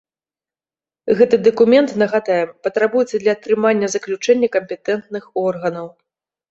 Гэты дакумент, нагадаем, патрабуецца для атрымання заключэння кампетэнтных органаў.